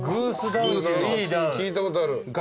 聞いたことある。